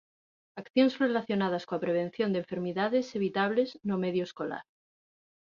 Accións relacionadas coa prevención de enfermidades evitables no medio escolar